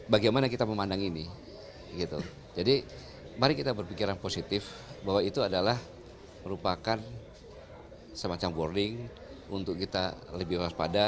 bagaimana kita memandang ini jadi mari kita berpikiran positif bahwa itu adalah merupakan semacam warning untuk kita lebih waspada